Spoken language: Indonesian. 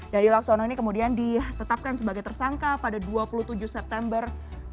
dhani laksono ini kemudian ditetapkan sebagai tersangka pada dua puluh tujuh september dua ribu dua puluh